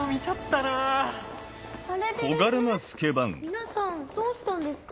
皆さんどうしたんですか？